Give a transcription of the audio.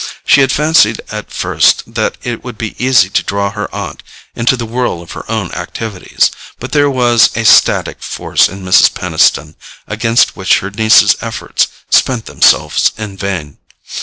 She had fancied at first that it would be easy to draw her aunt into the whirl of her own activities, but there was a static force in Mrs. Peniston against which her niece's efforts spent themselves in vain.